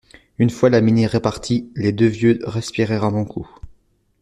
Une fois la Mini repartie, les deux vieux respirèrent un bon coup.